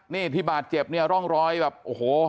นี่ที่บาดเจ็บเนี่ยร่องรอยแบบโอ้โห